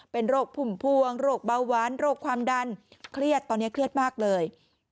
เป็นโรคพุ่มพวงโรคเบาหวานโรคความดันเครียดตอนนี้เครียดมากเลย